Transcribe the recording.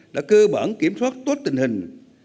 đã cơ bản kiểm soát tốt tình hình